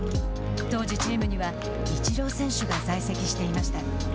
当時、チームにはイチロー選手が在籍していました。